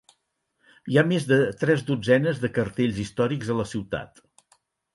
Hi ha més de tres dotzenes de cartells històrics a la ciutat.